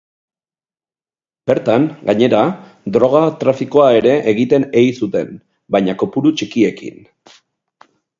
Bertan, gainera, droga-trafikoa ere egiten ei zuten, baina kopuru txikiekin.